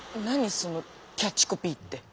そのキャッチコピーって。